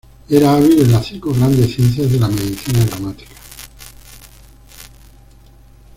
Era hábil en las cinco grandes ciencias de la medicina, gramática.